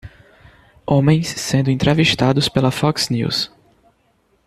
Homens sendo entrevistados pela Fox News